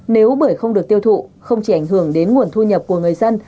nếu bưởi không được tiêu thụ không chỉ ảnh hưởng đến nguồn thu nhập của người dân